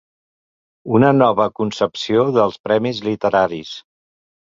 Una nova concepció dels premis literaris.